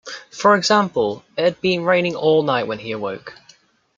For example: It had been raining all night when he awoke.